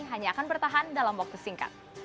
hanya akan bertahan dalam waktu singkat